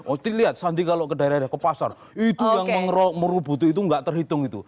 oh dilihat sandi kalau ke daerah daerah ke pasar itu yang merubuti itu nggak terhitung itu